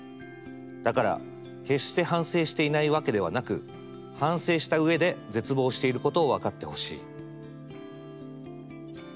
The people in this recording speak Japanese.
だから決して反省していないわけではなく反省したうえで絶望していることを分かってほしい」。